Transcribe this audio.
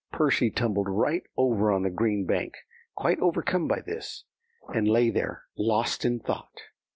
Percy tumbled right over on the green bank, quite overcome by this, and lay there lost in thought.